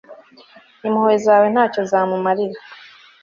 impuhwe zawe ntacyo zamumarira